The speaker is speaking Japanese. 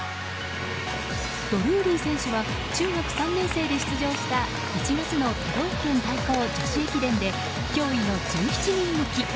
ドルーリー選手は中学３年生で出場した１月の都道府県対抗女子駅伝で驚異の１７人抜き。